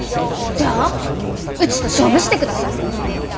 じゃあうちと勝負してください。